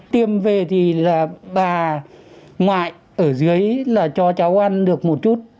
tiêm về thì là bà ngoại ở dưới là cho cháu ăn được một chút